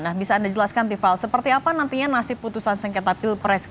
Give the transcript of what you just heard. nah bisa anda jelaskan tifal seperti apa nantinya nasib putusan sengit apel presidi